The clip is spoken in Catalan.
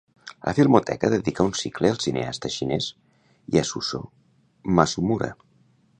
La Filmoteca dedica un cicle al cineasta xinès Yasuzô Masumura.